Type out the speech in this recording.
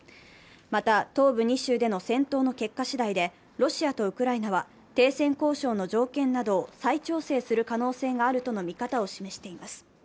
また、東部２州での戦闘の結果しだいで、ロシアとウクライナは停戦交渉の条件などを再調整する可能性があるとの見方を示しています。